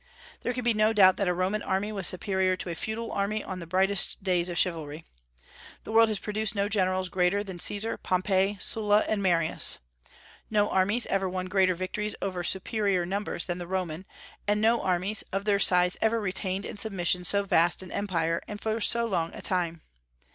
There can be no doubt that a Roman army was superior to a feudal army in the brightest days of chivalry. The world has produced no generals greater than Caesar, Pompey, Sulla, and Marius. No armies ever won greater victories over superior numbers than the Roman, and no armies of their size ever retained in submission so vast an empire, and for so long a time.